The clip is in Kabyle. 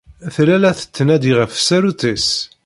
Tella la tettnadi ɣef tsarut-is.